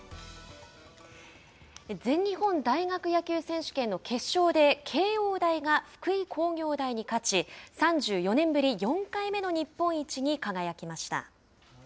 全日本大学野球選手権の決勝で慶應大が福井工業大に勝ち３４年ぶり４回目の日本一に輝きました。